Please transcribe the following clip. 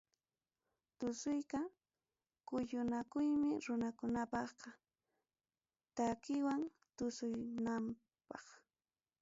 Tusuyqa kuyunakuymi runakunapaqa, takiwan tusuywanpas.